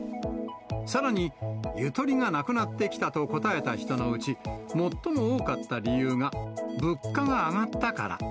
さらに、ゆとりがなくなってきたと答えた人のうち、最も多かった理由が、物価が上がったから。